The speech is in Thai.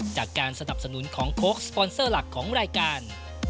จากการสนับสนุนของโค้กสปอนเซอร์หลักของรายการ